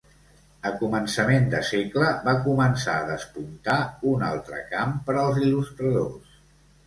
A començament de segle, va començar a despuntar un altre camp per als il·lustradors.